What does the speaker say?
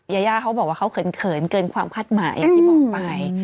ยาย่าเขาบอกว่าเขาเขินเกินความคาดหมายอย่างที่บอกไป